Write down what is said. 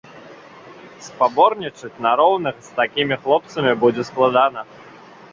Спаборнічаць на роўных з такімі хлопцамі будзе складана.